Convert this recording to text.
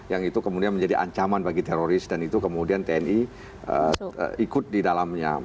yang itu kemudian menjadi ancaman bagi teroris dan itu kemudian tni ikut di dalamnya